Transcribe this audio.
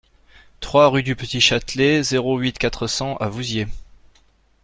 trois rue du Petit Châtelet, zéro huit, quatre cents à Vouziers